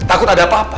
takut ada apa apa